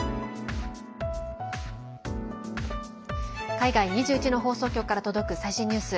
海外２１の放送局から届く最新ニュース。